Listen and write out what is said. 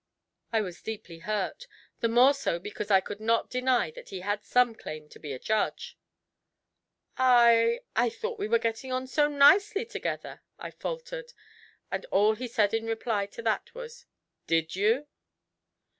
I was deeply hurt, the more so because I could not deny that he had some claim to be a judge. 'I I thought we were getting on so nicely together,' I faltered, and all he said in reply to that was, 'Did you?'